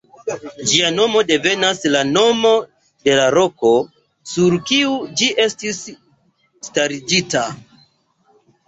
Ĝia nomo devenas de la nomo de la roko, sur kiu ĝi estis starigita.